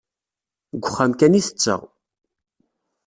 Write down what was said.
Deg wexxam kan i tetteɣ.